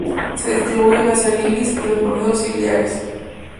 Se distribuyen hacia el iris y los procesos ciliares.